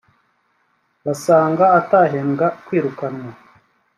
basanga atahembwa kwirukanwa